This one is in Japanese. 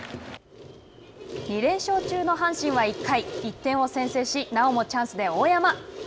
２連勝中の阪神は１回１点を先制しなおもチャンスで大山。